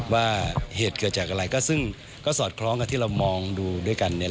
ว่าเหตุเกิดจากอะไรก็ซึ่งก็สอดคล้องกับที่เรามองดูด้วยกันเนี่ย